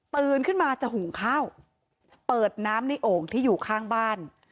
ขึ้นมาจะหุงข้าวเปิดน้ำในโอ่งที่อยู่ข้างบ้าน